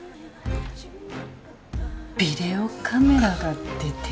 ビデオカメラが出て。